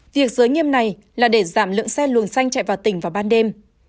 việc giới nghiêm này là để giảm lượng xe luồng xanh chạy vào tỉnh vào ban đêm